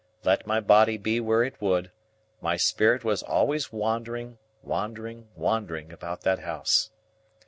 Let my body be where it would, my spirit was always wandering, wandering, wandering, about that house.